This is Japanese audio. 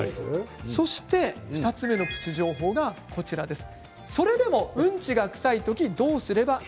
そして２つ目のプチ情報です。